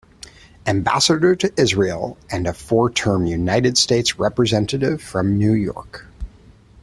Ambassador to Israel and a four-term United States Representative from New York.